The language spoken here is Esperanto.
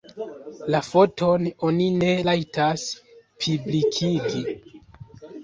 La foton oni ne rajtas publikigi.